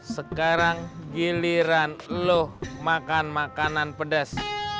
sekarang giliran loh makan makanan pedas